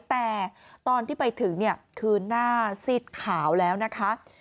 แต่ตอนที่ไปถึงเนี่ยคือหน้าซีดขาวแล้วนะคะ